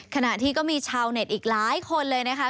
ขณะที่ก็มีชาวเน็ตอีกหลายคนเลยนะคะ